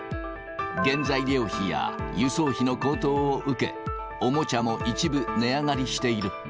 原材料費や輸送費の高騰を受け、おもちゃも一部値上がりしている。